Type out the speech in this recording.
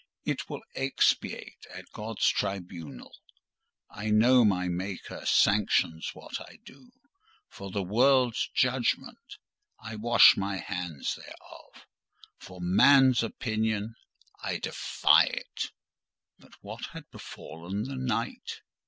It will expiate at God's tribunal. I know my Maker sanctions what I do. For the world's judgment—I wash my hands thereof. For man's opinion—I defy it." But what had befallen the night?